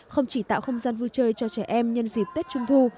không chỉ tạo không gian vui chơi cho trẻ em nhân dịp tết trung thu